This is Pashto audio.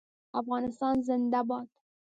افغانستان زنده باد.